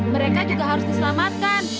mereka juga harus diselamatkan